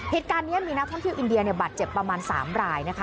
เหตุการณ์นี้มีนักท่องเที่ยวอินเดียเนี่ยบาดเจ็บประมาณ๓รายนะคะ